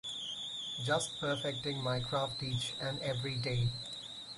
Just perfecting my craft each and every day.